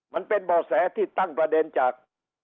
มันเป็นบ่อแสที่ตั้งประเด็นจาก